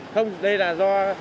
không đây là do